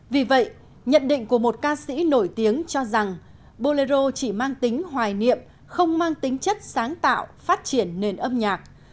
vì vậy nhận định của một ca sĩ nổi tiếng cho rằng bolero chỉ mang tính hoài niệm không mang tính chất sáng tạo phát triển nền âm nhạc